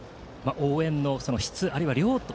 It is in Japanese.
応援の質あるいは量と。